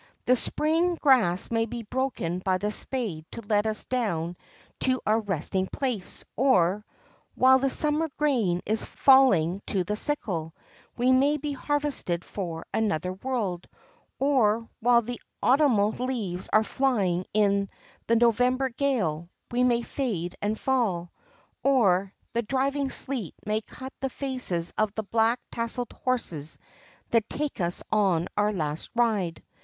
The Spring grass may be broken by the spade to let us down to our resting place; or, while the Summer grain is falling to the sickle, we may be harvested for another world; or, while the Autumnal leaves are flying in the November gale, we may fade and fall; or, the driving sleet may cut the faces of the black tasseled horses that take us on our last ride.